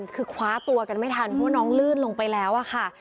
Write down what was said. คือคว้าตัวกันไม่ทันเพราะว่าน้องลื่นลงไปแล้วอะค่ะ